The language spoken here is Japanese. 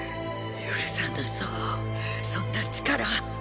許さぬぞそんな力。